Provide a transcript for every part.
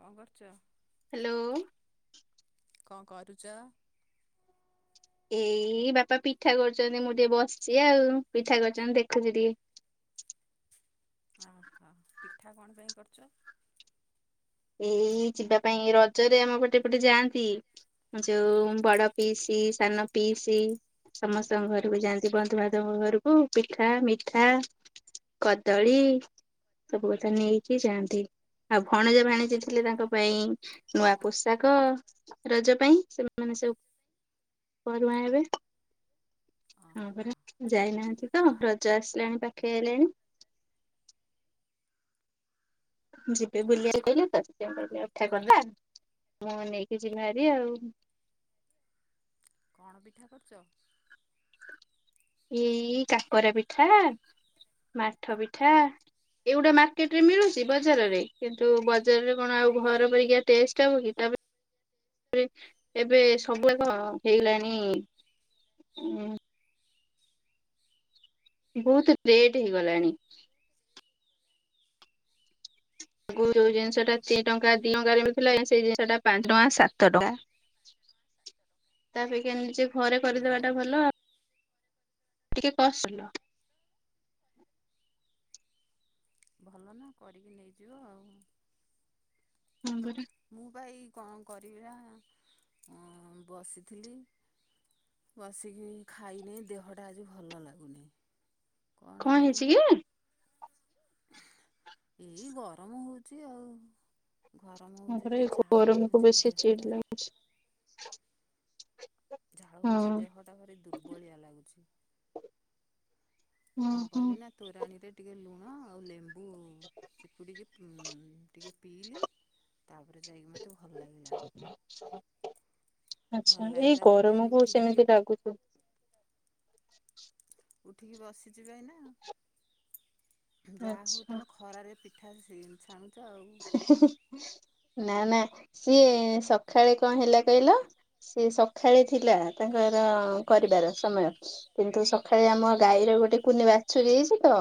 କଣ କରୁଛ? ହ୍ୟାଲୋ। କଣ କରୁଚ? ଏଇ ବାପା ପିଠା କରୁଛନ୍ତି ମୁଁ ଟିକେ ବସିଛି ଆଉ ପିଠା କରୁଛନ୍ତି ଦେଖୁଛି ଟିକେ। ଓହୋ ପିଠା କଣ ପାଇଁ କରୁଛ? ଏଇ ଯିବା ପାଇଁ ରଜରେ ଆମ ପଟେ ପଟେ ଯାଆନ୍ତି ଯୋଉ ବଡ ପିଇସି ସାନ ପିଇସି ସମସ୍ତଙ୍କ ଘରକୁ ଯାଆନ୍ତି ବନ୍ଧୁବାନ୍ଧବଙ୍କ ଘରକୁ ପିଠା ମିଠା କଦଳୀ ସବୁ କଥା ନେଇକି ଯାଆନ୍ତି ଆଉ ଭଣଜା ଭାଣିଜି ଯିଏ ଥିଲେ ତାଙ୍କ ପାଇଁ ନୂଆ ପୋଷାକ ରଜ ପାଇଁ ସେମାନେ ସବୁ ପୋରୁହାଁ ହେବେ ହଁ ଓହୋ ପରା ଯାଇନାହାଁନ୍ତି। ହ ରଜ ଆସିଲାଣି ପାଖେଇ ଆଇଲାଣି। ଯିବେ ବୁଲିବାକୁ କହିଲେ ତ ସେ କହିଲେ ପିଠା କରିଦିଅ ମୁଁ ନେଇକି ଯିବି ହାରି ଆଉ। କଣ ପିଠା କରୁଛ? ଏଇ କାକରା ପିଠା ମାଠ ପିଠା ଏଇଗୁଡା ମାର୍କେଟ ରେ ମିଳୁଛି ବଜାରରେ କିନ୍ତୁ ବଜାରରେ କଣ ଆଉ ଘର ପରିକା ଟେଷ୍ଟ ହବ କି ତାପରେ ଏବେ ସବୁଯାକ କଣ ହେଇଗଲାଣି ବହୁତ ଲେଟ ହେଇଗଲାଣି। ଆଗରୁ ଜିନିଷ ଟା ତିନି ଟଙ୍କା ଦି ଟଙ୍କାରେରେ ମିଳିଥିଲା ସେଇ ଜିନିଷ ଟା ପାଞ୍ଚ ଟଙ୍କା ସାତ ଟଙ୍କା ତା ଅପେକ୍ଷା ନିଜେ ଘରେ ହଁ କରିଦବା ଟା ଭଲ ଆ ଟିକେ କଷ୍ଟ ଲୋ ଭଲ ନା କରିକି ନେଇଯିବ ଆଉ। ହଁ ପରା ମୁଁ ବା ଏଇ କଣ କରିବା ବସିଥିଲି ବସିକି ଖାଇନି ଦେହଟା ଆଜି ଭଲ ଲାଗୁନି। କଣ ହେଇଛି କି? [unintelligible] ଏଇ ଗରମ ହଉ ଚି ଆଉ। ଗରମ ହଉଛି ତାପରେ ଯେ ଝାଳ ଗରମକୁୁ ବହୁଛି ବେଶୀ ଦେହଟା ଚିଡ ଲାଗୁଛି। ଝାଳ ବୋହୁଛି ଦେହଟା ଭାର ଦୁର୍ବଳିଆ ଲାଗୁଛି। ହଁ କଣ ହଁ କରିଲା ତୋରାଣୀରେ ଟିକେ ଲୁ [unintelligible] ଟିକେ ପିଇଲି ତାପରେ ଯାଇକି [unintelligible] ଲାଗିଲା [unintelligible] ଭଲ ଆଚ୍ଛା ଏଇ ଲାଗିଲା ଯେମିତି ଏଇ ଗରମକୁ ଉଠିକି ସେମିତି ଟିକେ ଲାଗୁଥୁ ଉଠିକି ବସିଚି ବା ଏଇନା। ଯାହା ହଉ ଆଚ୍ଛା ତୋମେ ଖରାରେ [inaudible] ପିଠା ସେଇ ଛାଣୁ ନା ନା ସିଏ ସଖାଳେ କଣ ହେଲା କହିଲ, ସିଏ ସଖାଳେ ଥିଲା ତାଙ୍କର କରିବାର ସମୟ କିନ୍ତୁ ସଖାଳେ ଆମ ଗାଈର ଗୋଟେ କୁନି ବାଛୁରୀ ହେଇଚି ତ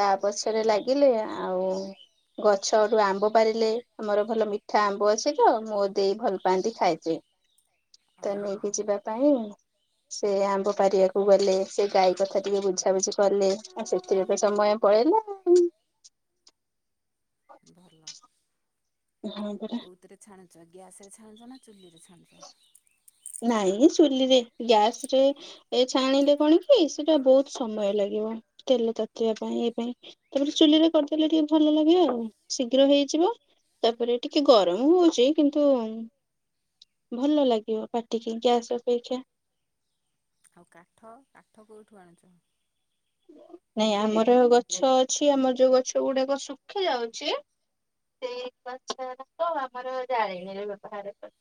ତା ପଛରେ ଲାଗିଲେ ଆଉ ଗଛ ତୋଠୁ ଆମ୍ବ ପାରିଲେ ଆମର ଭଲ ମିଠା ଆମ୍ବ ଅଛି ତ ମୋ ଦେଇ ଭଲ ପାଆନ୍ତି ଖାଇତେ। ତ ଅହ ନେଇକି ଯିବା ପାଇଁ ସେ ଆମ୍ବ ପାରିବାକୁ ଗଲେ, ସେ ଗାଈ କଥା ଟିକେ ବୁଝାବୁଝି କଲେ, ଆଉ ସେଥିରେ ତ ସମୟ ପଳେଇଲା ଆଉ। ଭଲ [inaudible] ହଁ ପରା। ଛ-ଗ୍ୟାସ୍ ରେ ଛାଣୁଚ ନା ଚୁଲିରେ ଛାଣୁଚ? ନାଇଁ ଚୁଲିରେ ଗ୍ୟାସ୍ ରେ ଏ ଛାଣିଲେ କଣ କି ସେଟା ବହୁତ ସମୟ ଲାଗିବ, ତେଲ ତାତିିବା ପାଇଁ ଏଇ ପାଇଁ, ତାପରେ ଚୁଲିରେ କରିଦେଲେ ଟିକେ ଭଲ ଲାଗିବ ଆଉ ଶୀଘ୍ର ହେଇଯିବ ତାପରେ ଟିକେ ଗରମ ହଉଚି, କିନ୍ତୁ ଭଲ ଲାଗିବ। ପାଟିିକି ଗ୍ୟାସ୍ ଅପେକ୍ଷା। ଆଉ କାଠ କାଠ କୋଉଠୁ ଆଣୁଛ। ନାଇଁ ଆମର ଗଛ ଅଛି ଆମର ଯୋଉ ଗଛ ଗୁଡାକ ଶୁଖି ଯାଉଛି, ସେଇ ଗଛ ରେ ତ ଆମର ଜାଳେଣୀରେ ବ୍ୟବହାର କର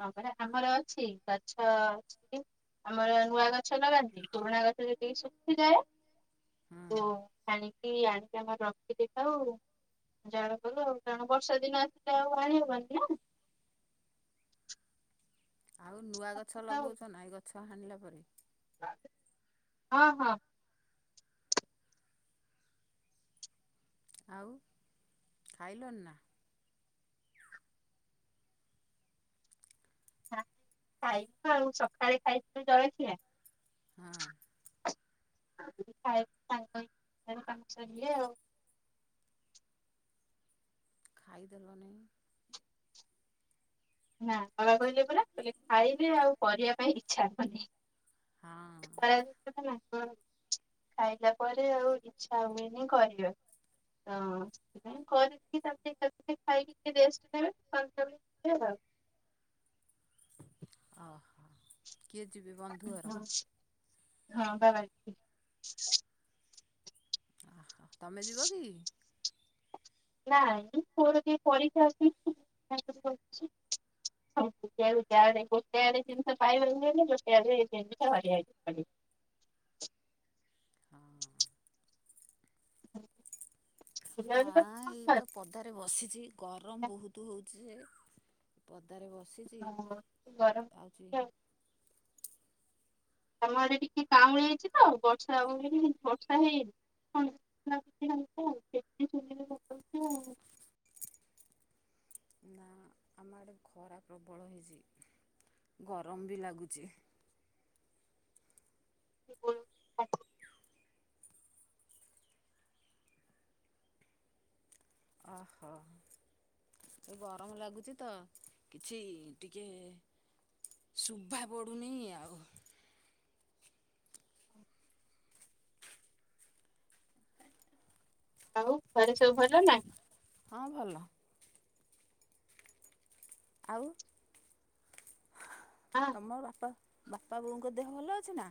ହଁ ପରା ଆମର ଅଛି ଗଛ ଅଛି ଆମର ନୂଆ ଗଛ ଲଗାନ୍ତି, ପୁରୁଣା ଗଛରେ ଟିକେ ଶୁଖିଯାଏ ହୁଁ ତ ହାଣିକି ଆଣିକି ଆମର ରଖି ଦେଇଥାାଉ ଜାଳ କରୁ ଆଉ, କାରଣ ବର୍ଷା ଦିନ ଆସିଲେ ଆଉ ଆଣି ହବନି ନା। ଆଉ ନୂଆ ଗଛ ଆଉ ଲଗଉଛ ନା ଏ ଗଛ ତ ହାଣିଲା ପରେ। ହଁ, ହଁ। ଆଉ ଖାଇଲଣି ନା? ନା ଖାଇବୁ ଆଉ ସଖାଳେ ଖାଇଥିଲି ଜଳଖିଆ। ହଁ [unintelligible] ତାଙ୍କ [inaudible] କାମ ସଇଲେ ଆଉ। ଖାଇଦେଲନି। ନା ବାବା କହିଲେ ପରା କହିଲେ, ଖାଇଲେ ଆଉ କରିବା ପାଇଁ ଇଚ୍ଛା ହବନି। ହଁ ଖରାରେ [inaudible] ହଁ, ଖାଇଲା ପରେ ଆଉ ଇଚ୍ଛା ହୁଏନି କରିବାକୁ, ତ ସେଥିପାଇଁ କରିକି ତାପରେ [inaudible] ଖାଇକି ଟିକେ ରେଷ୍ଟ ନବେ [inaudible] ହଁ। କିଏ ଯିବେ ବନ୍ଧୁଘର? ଆଉ ହଁ, ବାଏ, ବାଏ। ତୋମେ ଯିବ କି? ନାହିଁ ପୁଅର ଟିକେ ପରୀକ୍ଷା ଅଛି [inaudible] ସେ ଆଡେ ତିନିଥର ଖାଇବ [unintelligible] ଇଆଡେ ଇଏ [unintelligible] ହଁ ହ ନା ଏଇ ବା ପଦାରେ ବସିଛି ଗରମ ବହୁତ ହଉଛି ଯେ ପ ତାରେ ବସିଛି ଗରମ ଆଉଛି ଆମ ଆଡେ ଟିକେ କାଉଁଳେଇଛି ତ ବର୍ଷା ହବବୋଲିକି ବର୍ଷା ହେଇନିଣ [unintelligible] ଆଉ ନା ଆମ ଆଡ଼େ ଖରା ପ୍ରବଳ ହେଇଛି ଗରମ ବି ଲାଗୁଛି [inaudible] ଓହୋ ଗରମ ଲାଗୁଛି ତ କିଛି ଟିକେ ଶୁଭା ପଡ଼ୁନି ଆଉ। ହଉ। ଘରେ ସବୁ ଭଲ ନା। ହଁ ଭଲ ଆଉ। ହଁ ତମ ବାପା। ବାପା ବୋଉଙ୍କ ଦେହ ଭଲ ଅଛି ନା।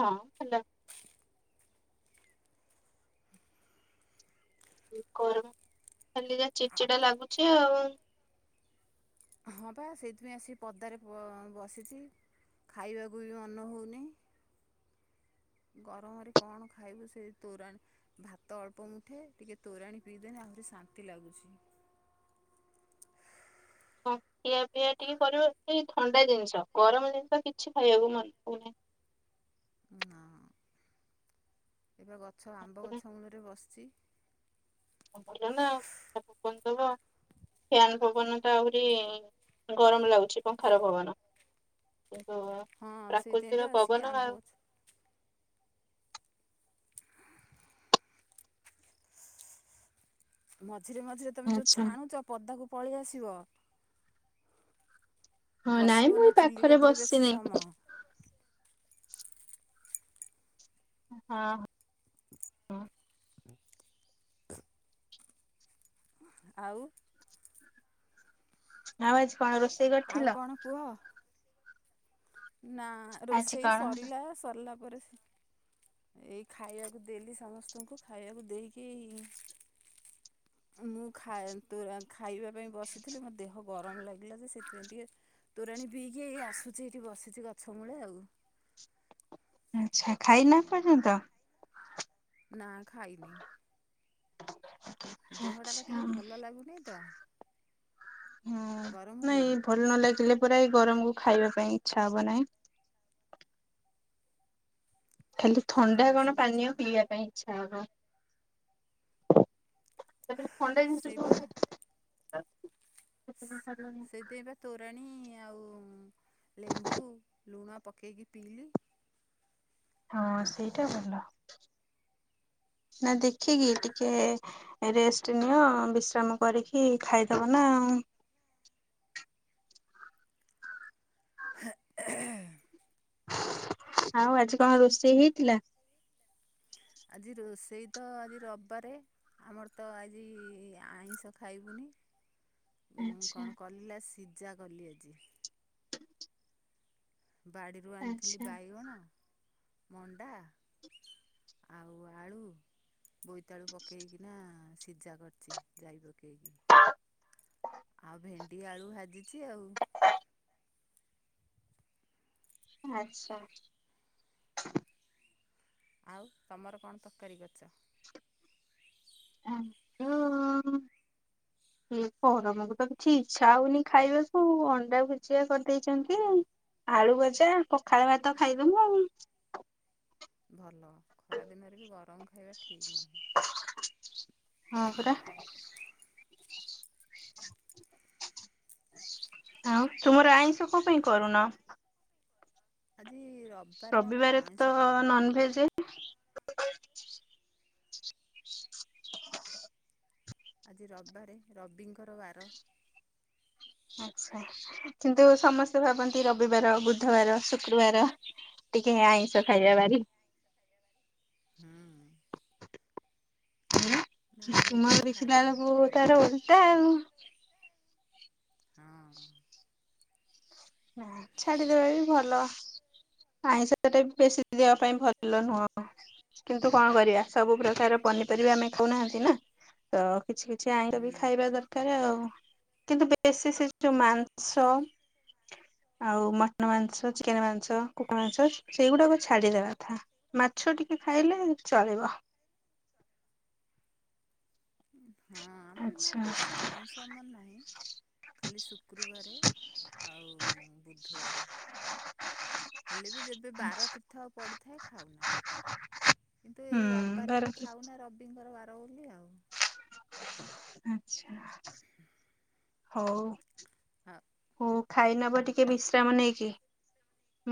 ହଁ ହେଲା। କର। ଖାଲି ଯା ଚିଡ଼ିଡା ଲାଗୁଛି। [unintelligible] ହଁ ପା ସେଇଥିପାଇଁ ଆସି ପଦାରେ ବ ବସିଛି ଖାଇବାକୁ ବି ମନ ହେଉନି ଗରମରେ କଣ ଖାଇବୁ ସେ ତୋରାଣି ଭାତ ଅଳ୍ପ ମୁଠେ ଟିକେ ତୋରାଣି ପିଇଦେନି ଆହୁରି ଶାନ୍ତି ଲାଗୁଛି। ହଁ ଖିଇଆ ପିଇଆ ଟିକେ କରିବ ଏ ଥଣ୍ଡା ଜିନିଷ ଗରମ ଜିନିଷ କିଛି ଖାଇବାକୁ ମନ ହଉନାହିଁ। ନା। ଏବେ ଗଛ ଆମ୍ବ ପୁରା ଗଛ ମୂଳରେ ବସିଛି। ଭଲ ନା ପବନ ଦବ ଫ୍ୟାନ ପବନ ତ ଆହୁରି ଗରମ ଲାଗୁଛି ପଙ୍ଖାର ପବନ। କିନ୍ତୁ ହଁ ସେଇଥିପାଇଁ ପ୍ରାକୃତିକ ତ ପବନ ଆସିକି ଆଉ ଆମ୍ବ ଅଛୁ। ମ। ମଝିରେ ମଝିରେ ତମେ ଯୋଉ ଆଚ୍ଛା ଛାଣୁଚ ପଦାକୁ। ପଳେଇଆସିବ। ହଁ ନାଇଁ ମୁଁ ବସିବନି ଏ ଚୁଲି ପାଖରେ କତିରେ ବସି ବେଶୀ ନି। ସମୟ ହଁ ହ। ଆଉ। ଆଉ ଆଜି। କଣ ରୋଷେଇ ଆଉ କରିଥିଲ। କଣ କୁହ ନା ଆଜି ରୋଷେଇ କଣ ସରିଲା ସରିଲା। [unintelligible] ଏଇ ଖାଇବାକୁ ଦେଲି ସମସ୍ତଙ୍କୁ ଖାଇବାକୁ ଦେଇକି ମୁଁ ଖା ଖାଇବା। ପାଇଁ ବସିଥିଲି ମୋ ଦେହକୁ। ଗରମ ଲାଗିଲା ଯେ ସେଥିପାଇଁ ଟିକେ ତୋରାଣୀ ପିଇକି ଏଇ ଆସୁଛି ଏଠି ବସିଛି ଗଛ ମୂଳେ ଆଉ। ଆଛା ଖାଇ ନ ଏପର୍ଯ୍ୟନ୍ତ। ନା ଖାଇନି। ଦେହଟାପା ଆଚ୍ଛା ଟିକେ ହଁ। ଭଲ ଲାଗୁନେଇଁ ତ ଗରମକୁ। ପୁରା ଏଇ ଗରମ କୁ ଖାଇବା ପାଇଁ ଇଚ୍ଛା ହବ ନାହିଁ। ଖାଲି ଥଣ୍ଡା ସେଥିପାଇଁ କଣ ଆସିକି ଗଛ ପାନୀୟ ମୂଳରେ ପିଇବା ପାଇଁ ଇଚ୍ଛା ହବ। ସେଥିରେ ଥଣ୍ଡା ସେଇବା ଜିନିଷ ରହୁଛି। ସେଇଥି ପାଇଁ ବା ତୋରଣୀ ଇଁଏ ଆଉ ଲେମ୍ବୁ ଲୁଣ ପକେଇକି ପିଇଲି। ହଁ ସେଇଟା ଭଲ ନା ଦେଖିକି ଟିକେ ରେଷ୍ଟ ନିଅ ବିଶ୍ରାମ କରିକି ଖାଇଦବ ନା ଆଉ। ହା [unintelligible] ଆଉ ଆଜି କଣ ରୋଷେଇ ହେଇଥିଲା? ଆଜି ରୋଷେଇ ତ ଆଜି ରବିବାରେ ଆମର ତ ଆଜି ଆଇଁଷ ଖାଇବୁନି। ଉଁ ଆଚ୍ଛା କଣ କଲା ସିଦ୍ ପୂଜା କଲି ଆଜି। [inaudible] ବାଡ଼ିରୁ ଆଣିଥିଲି ଆଚ୍ଛା। ବାଇଗଣ, ମଣ୍ଡା ଆଉ ଆଳୁ, ବୋଇତାଳୁ ପକେଇକିନା ସିଝା କରିଛି ଯାଇବ ଡ଼ି ଆଉ ଭେଣ୍ ଟି ଆଳୁ ଭାଜିଛି ଆଉ। ଆଚ୍ଛା। ଆଉ ତମର କଣ ତରକାରୀ କରିଚ? [unintelligible] ଏ ପରମକୁ ତ କିଛି ଇଚଛା ହଉନି ଖାଇବାକୁ ଅଣ୍ଡା ଭୁଜିଆ କରିଦେଇଛନ୍ତି ଆଳୁ ଭଜା ପଖାଳ ଭାତ ଖାଇଦମୁଁ ଆଉ। ଭଲ। ଖରା ଦିନରେ ବି ଗରମ ଖାଇବା ଠିକ୍ ନୁହେଁ। ହଁ ପରା। ଆଉ ତୁମର ଆଇଷଁ କ ପାଇଁ କରୁନ? ଆଜି ରବିବାରରେ ଆମର ରବିବାରେ ତ ଆଇଁଷ ଖାଉନା। Non veg. ଆଜି ରବ୍ ବାରେ ରବିଙ୍କର ବାର। ଆଛା କିନ୍ତୁ ସମସ୍ତେ ଭାବନ୍ତି ରବିବାର ବୁଧବାର ଶୁକ୍ରବାର ଟିକେ ଆଇଁଷ ଖାଇବା ବାରି। ହୁଁ ନା ଉଁ ଆମେ ତୁମର କିନ୍ତୁ ଦେଖିଲା ଖାଉନା ଏଳୁକୁ ତାର ରବିବାରେ ଓଲଟା ଆଉ। ହଁ। ନା ଛାଡିଦବା ବି ଭଲ ଆଇଁଷଟା ବି ବେଶୀ ଦେବା ପାଇଁ ଭଲ ନୁହଁ। କିନ୍ତୁ କଣ କରିବା? ସବୁ ପ୍ରକାର ପନିପରିବା ଆମେ କଉନାହାନ୍ତି। ଏନା ଅ କିଛି କିଛି ଆଇଁଷ ବି ହୁଁ। ଖାଇବା ଦରକାର ଆଉ। କିନ୍ତୁ ବେଶୀ ସେ ଯଉ ମାଂସ ଆଉ ମଟନ ମାଂସ, ଚିକେନ ମାଂସ, କୁକୁ ମାଂସ, ସେଇଗୁଡାକ ଛାଡିଦବା କଥା ମାଛ ଟିକେ ଖାଇଲେ ଚଳିବ। ହଁ ଆମେ ନା ଆଚ୍ଛା ବେଶୀ ଆଇଁଷ ଆମର ନାହିଁ ଖାଲି ଶୁକ୍ରୁବାରେ ଆଉ ବୁଧୁବାରେ, ହେଲେ ବି ଯେବେ ବାର ତୀର୍ଥ ପଡିଥାଏ ଖାଉନା କିନ୍ତୁ ଏଇ ହୁଁ ରବିବାରେ ବାର ଏବେ ଖାଉନା ରବିଙ୍କର ବାର। ରହିଲି ଆଉ। ଆଛା ହଉ। ହଁ। ହଉ ଖାଇ ନବ ଟିକେ ବିଶ୍ରାମ ନେଇକି।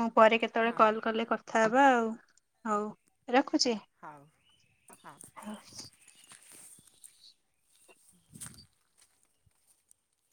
ମୁଁ ପରେ କେତେବେଳେ ହଁ କଲ୍ କଲେ କଥ୍ କଥା ହବା ଆଉ ହଉ ରଖ୍ ହଉ ହଁ। [inaudible]